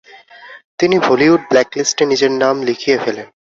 তিনি হলিউড ব্ল্যাকলিস্টে নিজের নাম লিখিয়ে ফেলেন।